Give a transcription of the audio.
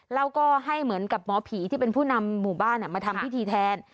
แล้วก็ให้เหมือนกับหมอผีที่เป็นผู้นำหมู่บ้านมาทำพิธีแทน